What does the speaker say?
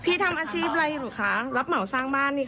ทำอาชีพอะไรอยู่คะรับเหมาสร้างบ้านนี่